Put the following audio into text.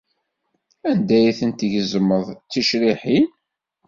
Anda ay tent-tgezmeḍ d ticriḥin?